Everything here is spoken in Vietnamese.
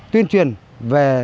tuyên truyền về